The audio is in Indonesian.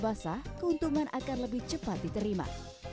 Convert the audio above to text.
dengan kue basah keuntungan akan lebih cepat diterima